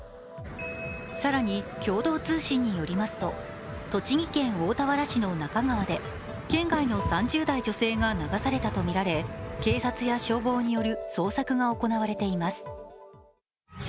更に共同通信によりますと栃木県大田原市の那珂川で県外の３０代女性が流されたとみられ警察や消防による捜索が行われています。